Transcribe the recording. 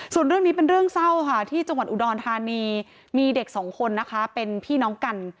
ส่วนเรื่องนี้เป็นเรื่องเศร้าค่ะที่จังหวัดอุดรธานีมีเด็กสองคนนะคะเป็นพี่น้องกัน